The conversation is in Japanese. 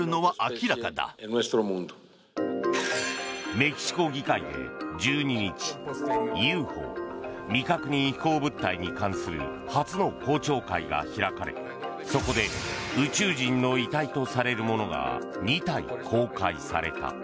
メキシコ議会で１２日ＵＦＯ・未確認飛行物体に関する初の公聴会が開かれそこで宇宙人の遺体とされるものが２体、公開された。